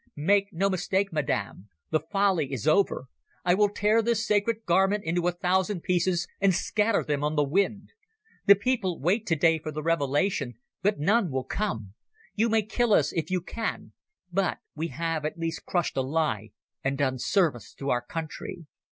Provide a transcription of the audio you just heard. Make no mistake, Madam; that folly is over. I will tear this sacred garment into a thousand pieces and scatter them on the wind. The people wait today for the revelation, but none will come. You may kill us if you can, but we have at least crushed a lie and done service to our country."